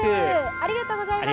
ありがとうございます。